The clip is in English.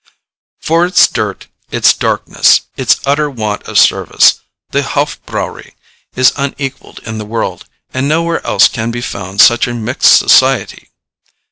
For its dirt, its darkness, and its utter want of service, the Hof Brauerei is unequalled in the world, and nowhere else can be found such a mixed society.